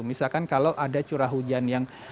misalkan kalau ada curah hujan yang cukup besar